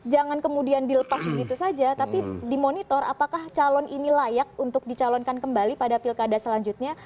jangan kemudian dilepas begitu saja tapi dimonitor apakah calon ini layak untuk dicalonkan kembali pada pilkada selanjutnya